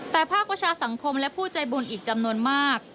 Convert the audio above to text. แต่ภาคประชาสังคมและผู้ใจบุญอีกจำนวนมาก